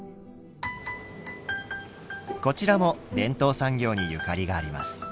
こちらも伝統産業にゆかりがあります。